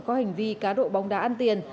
có hành vi cá độ bóng đá ăn tiền